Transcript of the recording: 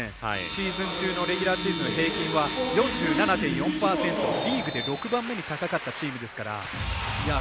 シーズン中のレギュラーシーズン平均は４７．４％、リーグで６番目に高かったチームですから。